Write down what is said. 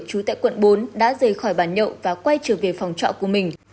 chú tại quận bốn đã rời khỏi bàn nhậu và quay trở về phòng trọ của mình